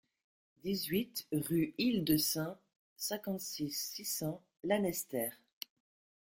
dix-huit rue Île de Sein, cinquante-six, six cents, Lanester